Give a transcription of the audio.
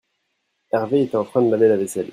Herve était en train de laver la vaisselle.